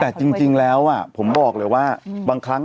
แต่จริงแล้วผมบอกเลยว่า